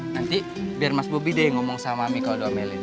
nanti biar mas bobi deh ngomong sama mika udo amel ini ya